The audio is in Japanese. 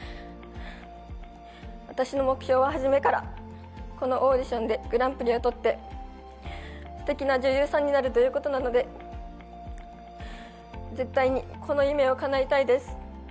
私の目標は始めから、このオーディションでグランプリを取って、すてきな女優さんになるということなので、絶対にこの夢をかなえたいです。